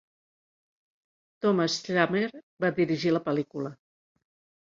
Thomas Schlamme va dirigir la pel·lícula.